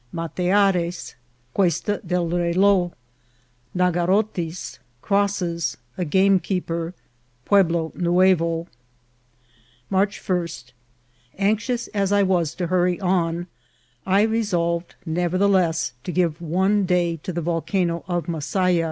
— Mateares. — Questa del Reloz. — Nagarotis. — Crosses. — A Gamekeeper. — Pueblo Nuevo. MARCH 1. Anxious as I was to hurry on, I resolved nevertheless to give one day to the Volcano of Masaya.